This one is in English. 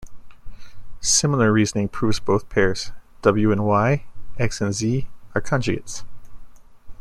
Similar reasoning proves both pairs, W and Y, X and Z, are conjugates.